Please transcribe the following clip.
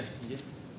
ada lagi ya